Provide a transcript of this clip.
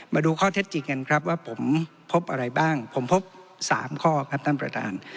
มาดูข้อเท็จจริงกันครับว่าผมพบอะไรบ้างผมพบ๓ข้อครับท่านประธาน